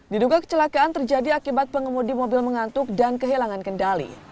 diduga kecelakaan terjadi akibat pengemudi mobil mengantuk dan kehilangan kendali